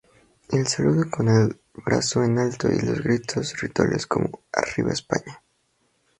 El saludo con el brazo en alto y los gritos rituales, como ¡Arriba España!